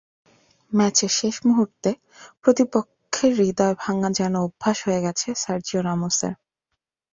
ম্যাচের শেষ মুহূর্তে প্রতিপক্ষের হৃদয় ভাঙা যেন অভ্যাস হয়ে গেছে সার্জিও রামোসের।